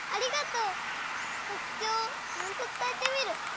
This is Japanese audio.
とくちょうをちゃんとつたえてみる！